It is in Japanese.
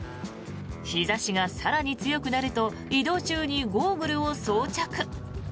日差しが更に強くなると移動中にゴーグルを装着。